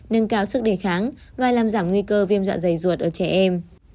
nâng cao sức đề kháng và làm giảm nguy cơ viêm dạ dày ruột ở trẻ em